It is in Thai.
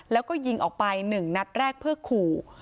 แล้วก็ยิงออกไป๑นัดแรกเพื่อขู่